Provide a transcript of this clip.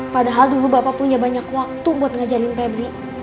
padahal dulu bapak punya banyak waktu untuk mengajari febri